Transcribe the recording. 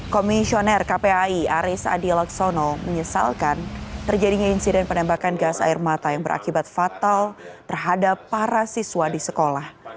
komisioner kpai aris adilaksono menyesalkan terjadinya insiden penembakan gas air mata yang berakibat fatal terhadap para siswa di sekolah